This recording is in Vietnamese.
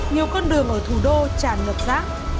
nhiều con đường ở thủ đô tràn ngập rác